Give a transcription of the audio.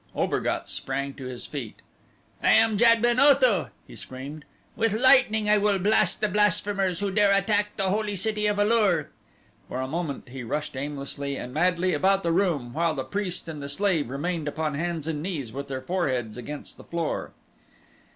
Obergatz sprang to his feet. "I am Jad ben Otho," he screamed. "With lightning I will blast the blasphemers who dare attack the holy city of A lur." For a moment he rushed aimlessly and madly about the room, while the priest and the slave remained upon hands and knees with their foreheads against the floor.